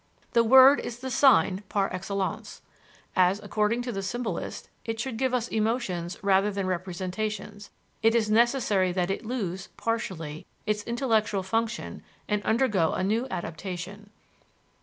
The word is the sign par excellence. As, according to the symbolists, it should give us emotions rather than representations, it is necessary that it lose, partially, its intellectual function and undergo a new adaptation.